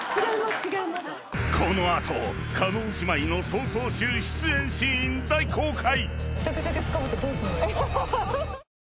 ［この後叶姉妹の『逃走中』出演シーン大公開］